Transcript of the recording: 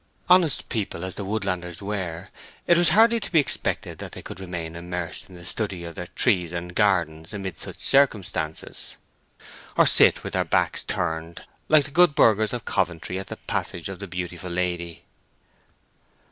Honest people as the woodlanders were, it was hardly to be expected that they could remain immersed in the study of their trees and gardens amid such circumstances, or sit with their backs turned like the good burghers of Coventry at the passage of the beautiful lady.